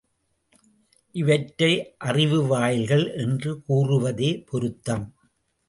இவற்றை அறிவு வாயில்கள் என்று கூறுவதே பொருந்தும்.